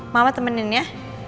mama temenin ya